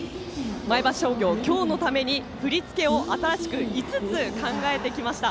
前橋商業、今日のために振り付けを新しく５つ考えてきました。